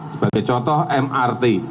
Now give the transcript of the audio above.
sebagai contoh mrt